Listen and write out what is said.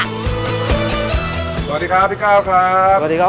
สวัสดีครับพี่ก้าวครับ